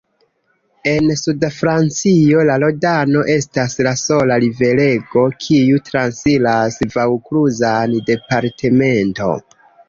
En sudfrancio la Rodano estas la sola riverego kiu transiras vaŭkluzan departemento.